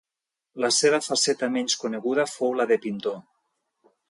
La seva faceta menys coneguda fou la de pintor.